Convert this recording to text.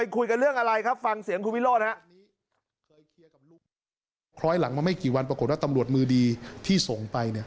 ข้อยหลังมาไม่กี่วันปรากฏว่าตำรวจมือดีที่ส่งไปเนี่ย